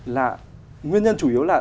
là nguyên nhân chủ yếu là